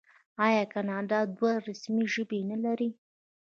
آیا کاناډا دوه رسمي ژبې نلري؟